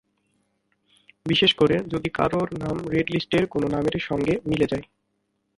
বিশেষ করে যদি কারওর নাম রেড লিস্টের কোনো নামের সঙ্গে মিলে যায়।